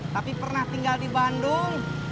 tapi pernah tinggal di bandung